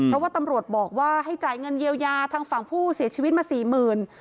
เพราะว่าตำรวจบอกว่าให้จ่ายเงินเยียวยาทางฝั่งผู้เสียชีวิตมาสี่หมื่น